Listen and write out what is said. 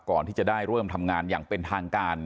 ก่อนที่จะได้เริ่มทำงานอย่างเป็นทางการ